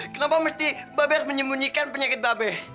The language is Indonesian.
kenapa mesti bapak harus menyembunyikan penyakit bapak be